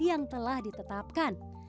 yang telah ditetapkan